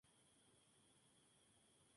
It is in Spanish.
Baltasar de los Reyes.